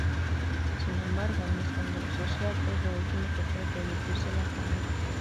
Sin embargo un escándalo social es lo último que puede permitirse la familia.